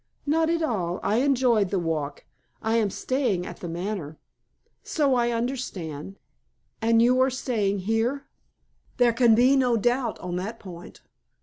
"Not at all. I enjoyed the walk. I am staying at The Manor." "So I understand." "And you are staying here?" "There can be no doubt on that point."